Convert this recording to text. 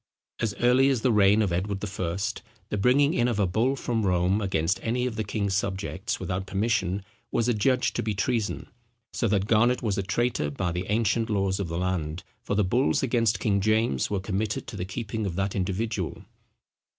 As early as the reign of Edward the First, the bringing in of a bull from Rome against any of the king's subjects, without permission, was adjudged to be treason; so that Garnet was a traitor by the ancient laws of the land, for the bulls against King James were committed to the keeping of that individual.